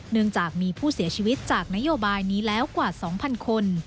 เนื่องจากมีผู้เสียชีวิตจากนโยบายนี้แล้วกว่า๒๐๐คน